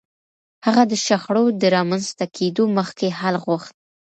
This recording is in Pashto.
هغه د شخړو د رامنځته کېدو مخکې حل غوښت.